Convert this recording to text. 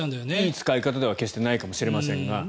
いい使い方では決してないかもしれませんが。